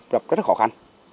rất khó khăn